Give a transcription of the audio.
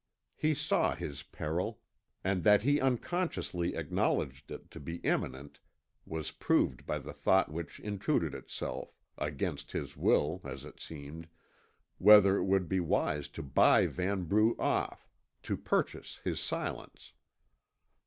He saw his peril, and that he unconsciously acknowledged it to be imminent was proved by the thought which intruded itself against his will, as it seemed whether it would be wise to buy Vanbrugh off, to purchase his silence.